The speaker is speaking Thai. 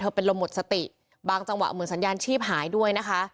เป็นลมหมดสติบางจังหวะเหมือนสัญญาณชีพหายด้วยนะคะ